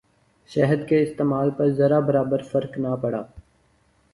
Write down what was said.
شہد کے استعمال پر ذرہ برابر فرق نہ پڑا۔